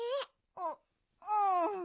ううん。